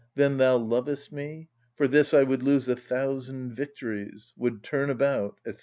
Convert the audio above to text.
then thou lovest me? For this I would lose a thousand victories, would turn about, &c.)